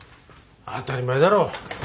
当たり前だろ。